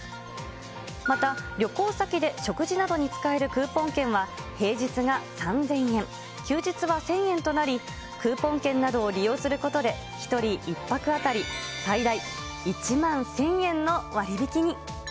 また、旅行先で食事などに使えるクーポン券は、平日が３０００円、休日は１０００円となり、クーポン券などを利用することで、１人１泊当たり最大１万１０００円の割引に。